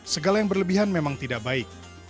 segala yang berlebihan memang tidak baik